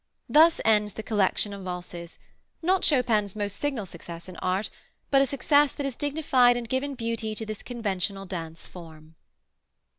Thus ends the collection of valses, not Chopin's most signal success in art, but a success that has dignified and given beauty to this conventional dance form.